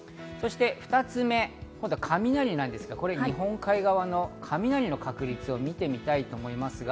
２つ目、雷なんですが、日本海側の雷の確率を見てみたいと思います。